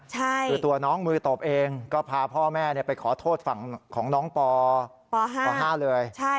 คือตัวน้องมือตบเองก็พาพ่อแม่ไปขอโทษฝั่งของน้องปป๕ป๕เลย